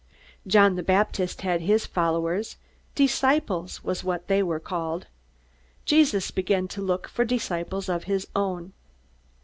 John the Baptist had his followers; "disciples" was what they were called. Jesus began to look for disciples of his own.